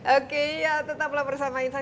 oke ya tetaplah bersama insight